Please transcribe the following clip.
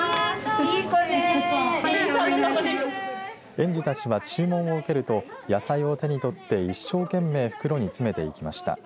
園児たちは注文を受けると野菜を手に取って一生懸命袋に詰めていきました。